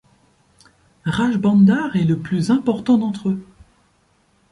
Rajbandar est le plus important d'entre eux.